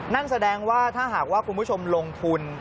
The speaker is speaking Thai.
นั่นแสดงว่าถ้าหากว่าคุณผู้ชมลงทุน